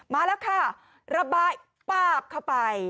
มาแล้วค่ะระบายปาบเข้าไป